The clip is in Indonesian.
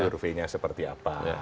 surveinya seperti apa